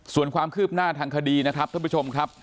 ส่วนความคืบหน้าทางคดีนะครับท่านผู้ชมครับ